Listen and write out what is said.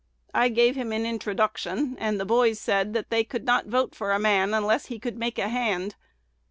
I gave him an introduction, and the boys said that they could not vote for a man unless he could make a hand.